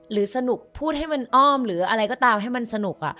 หรือสนุกพูดให้มันอ้อมหรืออะไรก็ตามให้มันสนุก